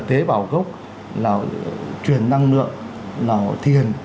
tế bào gốc là truyền năng lượng là thiền